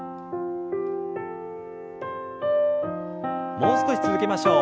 もう少し続けましょう。